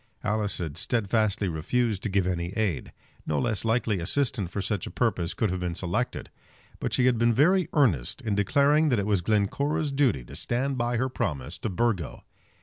Alice had steadfastly refused to give any aid. No less likely assistant for such a purpose could have been selected. But she had been very earnest in declaring that it was Glencora's duty to stand by her promise to Burgo.